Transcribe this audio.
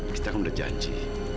kita kan udah janji